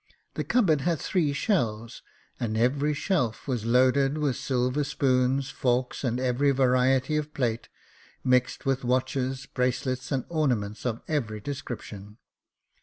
The cupboard had three shelves, and every shelf was loaded with silver spoons, forks, and every variety of plate, mixed with watches, bracelets, and ornaments of every description.